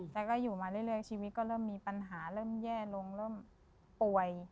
แต่ก็อยู่มาเรื่อยชีวิตก็เริ่มมีปัญหาเริ่มแย่ลงเริ่มป่วย